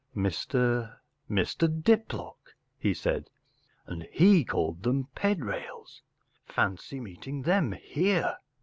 “ Mr. — Mr. Diplock,” he said ; and he called them Pedrails .... Fancy meeting them here